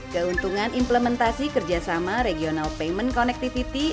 keuntungan implementasi kerjasama regional payment connectivity